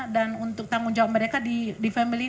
dan untuk tanggung jawab mereka di family